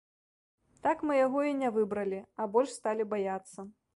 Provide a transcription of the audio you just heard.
Так мы яго і не выбралі, а больш сталі баяцца.